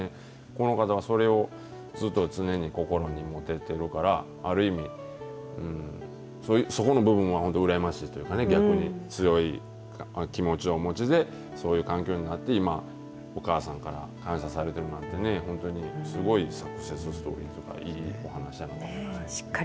この方はそれをずっと常に心に持ててるから、ある意味、そこの部分は本当、羨ましいというかね、逆に、強い気持ちをお持ちで、そういう環境にあって今、お母さんから感謝されてるなんてね、本当にすごいサクセスストーリーというか、いいお話やなと思いました。